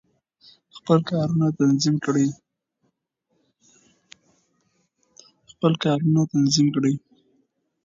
خپل کارونه تنظیم کړئ.